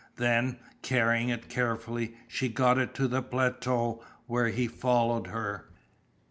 Then, carrying it carefully she got it to the plateau where he followed her.